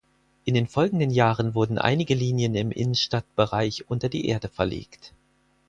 In den folgenden Jahren wurden einige Linien im Innenstadtbereich unter die Erde verlegt.